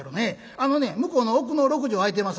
あのね向こうの奥の６畳空いてます